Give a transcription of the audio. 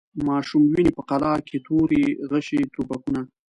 ماشوم ویني په قلا کي توري، غشي، توپکونه